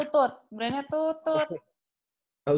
tudut brand nya tutut